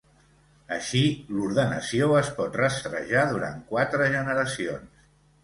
Així, l'ordenació es pot rastrejar durant quatre generacions.